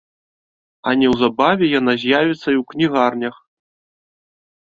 А неўзабаве яна з'явіцца і ў кнігарнях.